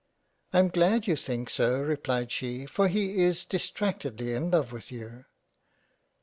"lam glad you think so replied she, for he is distractedly in love with you."